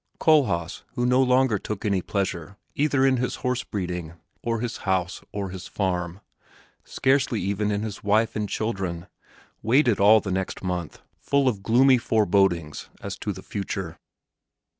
Kohlhaas, who no longer took any pleasure either in his horse breeding, or his house or his farm, scarcely even in his wife and children, waited all the next month, full of gloomy forebodings as to the future.